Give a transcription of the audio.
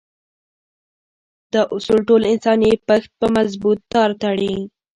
دا اصول ټول انساني پښت په مضبوط تار تړي.